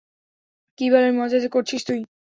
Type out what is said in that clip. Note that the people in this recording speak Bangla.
কি বালের মজা যে করছিস তুই।